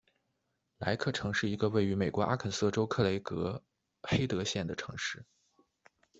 莱克城是一个位于美国阿肯色州克雷格黑德县的城市。